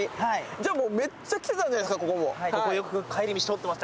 じゃあめっちゃ来てたんじゃないですかここも。